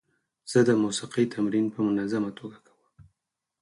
زه د موسیقۍ تمرین په منظمه توګه کوم.